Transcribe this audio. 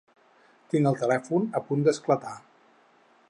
Tinc el telèfon a punt d'esclatar.